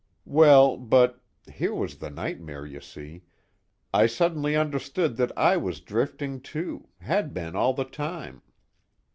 Well, but here was the nightmare, you see I suddenly understood that I was drifting too, had been all the time.